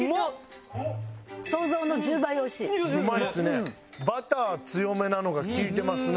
うまいですね。